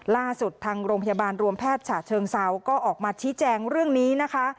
ทางโรงพยาบาลรวมแพทย์ฉะเชิงเซาก็ออกมาชี้แจงเรื่องนี้นะคะ